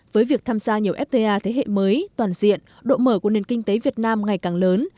với việc tham gia nhiều fta thế hệ mới toàn diện độ mở của nền kinh tế việt nam ngày càng lớn